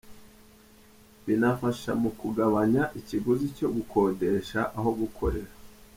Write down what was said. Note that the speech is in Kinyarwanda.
Binafasha mu kugabanya ikiguzi cyo gukodesha aho gukorera.”